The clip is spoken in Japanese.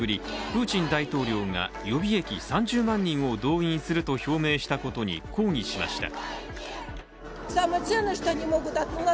プーチン大統領が予備役３０万人を動員すると表明したことに抗議しました。